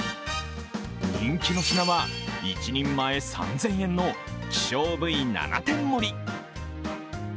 人気の品は、一人前３０００円の希少部位７点盛り。